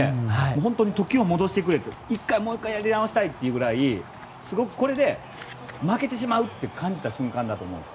本当に時を戻してくれともう１回やり直したいというぐらいすごく、これで負けてしまう！って感じた瞬間だと思うんです